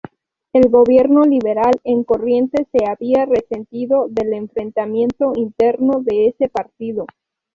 El gobierno liberal en Corrientes se había resentido del enfrentamiento interno de ese partido.